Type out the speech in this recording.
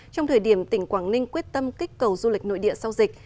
trong thời điểm tỉnh quảng ninh quyết tâm kích cầu du lịch nội địa sau dịch